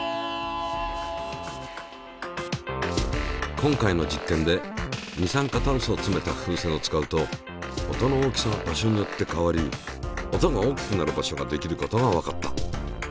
今回の実験で二酸化炭素をつめた風船を使うと音の大きさが場所によって変わり音が大きくなる場所ができることがわかった。